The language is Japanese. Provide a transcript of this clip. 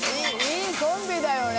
いいコンビだよね。